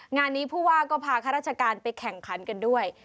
งานนี้ผู้ว่าก็พาข้าราชการไปแข่งขันกันด้วย